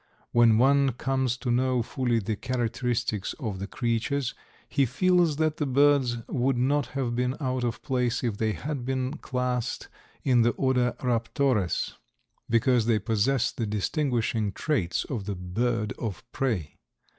When one comes to know fully the characteristics of the creatures he feels that the birds would not have been out of place if they had been classed in the order Raptores, because they possess the distinguishing traits of the bird of prey.